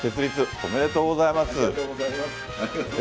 ありがとうございます。